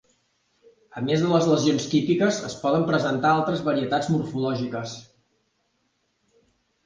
A més de les lesions típiques, es poden presentar altres varietats morfològiques.